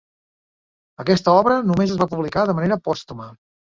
Aquesta obra només es va publicar de manera pòstuma.